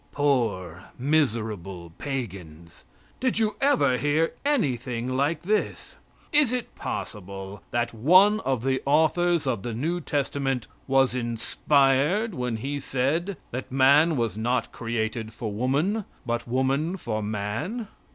Poor, miserable pagans! Did you ever hear anything like this? Is it possible that one of the authors of the new testament was inspired when he said that man was not created for woman, but woman for man?